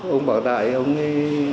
ông bảo đại ông ấy